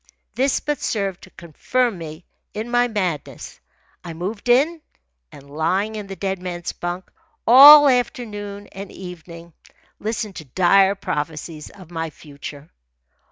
This but served to confirm me in my madness. I moved in, and, lying in the dead man's bunk, all afternoon and evening listened to dire prophecies of my future.